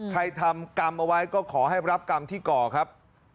ทำกรรมเอาไว้ก็ขอให้รับกรรมที่ก่อครับ